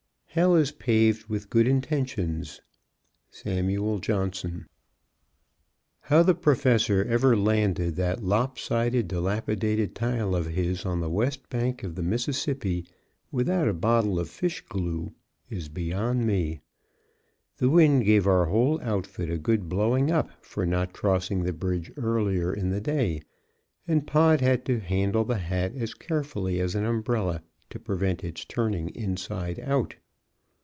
Hell is paved with good intentions. Samuel Johnson. How the Professor ever landed that lop sided, dilapidated tile of his on the west bank of the Mississippi without a bottle of fish glue is beyond me. The wind gave our whole outfit a good blowing up for not crossing the bridge earlier in the day, and Pod had to handle the hat as carefully as an umbrella to prevent it's turning inside out.